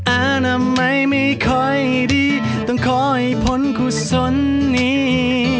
อาณาไม้ไม่ค่อยดีต้องขอให้ผลกุศลนี้